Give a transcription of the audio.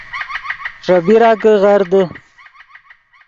ݰے بیرا کہ غر دے